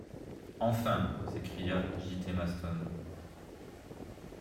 Enfin! s’écria J.-T. Maston.